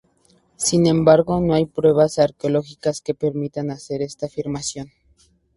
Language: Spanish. Sin embargo, no hay pruebas arqueológicas que permitan hacer esta afirmación.